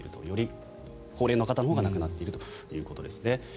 より高齢の方のほうが亡くなっているということですね。